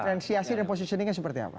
fransiasi dan positioningnya seperti apa